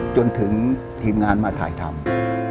จนถึงทีมงานมาถ่ายทำ